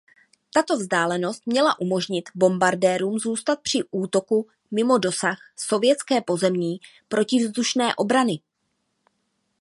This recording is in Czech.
Tato vzdálenost měla umožnit bombardérům zůstat při útoku mimo dosah sovětské pozemní protivzdušné obrany.